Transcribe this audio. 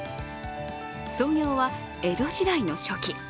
創業は江戸時代の初期。